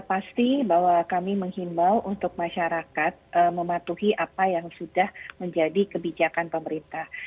pasti bahwa kami menghimbau untuk masyarakat mematuhi apa yang sudah menjadi kebijakan pemerintah